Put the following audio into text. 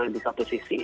di satu sisi